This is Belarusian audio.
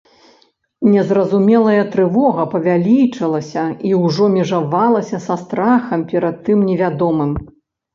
Незразумелая трывога павялічылася і ўжо межавалася са страхам перад тым невядомым.